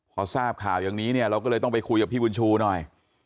พอทราบข่าวอย่างนี้เนี่ยเราก็เลยต้องไปคุยกับพี่บุญชูหน่อย